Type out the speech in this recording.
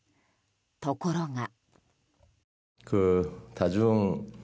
ところが。